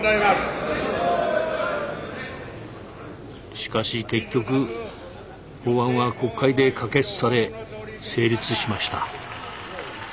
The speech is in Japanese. しかし結局法案は国会で可決され成立しました。